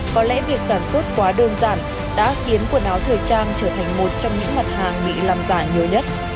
có lẽ việc sản xuất quá đơn giản đã khiến quần áo thời trang trở thành một trong những mặt hàng bị làm giả nhiều nhất